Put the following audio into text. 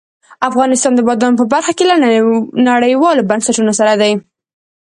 افغانستان د بادامو په برخه کې له نړیوالو بنسټونو سره دی.